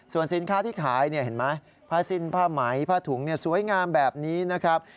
ส่วนสินค้าที่ขายเห็นไหมผ้าสิ้นผ้าไหมผ้าถุงสวยงามแบบนี้นะครับ